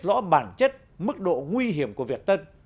rõ bản chất mức độ nguy hiểm của việt tân